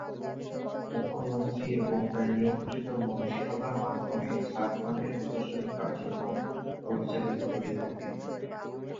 মুখ্যমন্ত্রী এবং তার নিয়োগকৃত মন্ত্রিসভার মাধ্যমে ঝাড়খণ্ডের প্রশাসনিক কার্যক্রম পরিচালিত হয়ে থাকে।